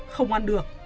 không ăn được